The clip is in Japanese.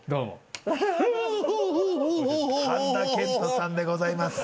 半田健人さんでございます。